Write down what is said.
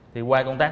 thì qua công tác